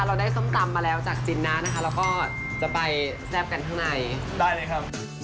คือหลายคนเพิ่งทราบว่าจินนี่เปิดร้านส้มตำที่มาที่ไปที่ทำไมถึงเปิดร้านได้คะ